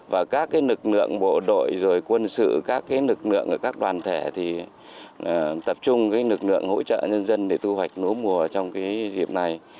và các lực lượng bộ đội quân sự các lực lượng ở các đoàn thể tập trung hỗ trợ nhân dân để thu hoạch lúa mùa trong dịp này